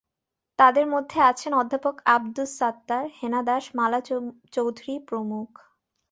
তাঁদের মধ্যে আছেন অধ্যাপক আবদুস সাত্তার, হেনা দাস, মালা চৌধুরী প্রমুখ।